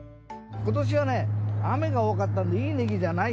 今年はね雨が多かったんでいいネギじゃないよ。